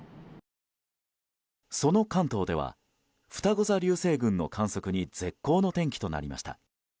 その関東ではふたご座流星群の観測に絶好の天気となりました。